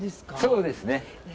そうですね。